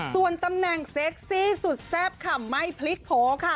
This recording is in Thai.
ส่วนตำแหน่งเซ็กซี่สุดแซ่บค่ะไม่พลิกโผล่ค่ะ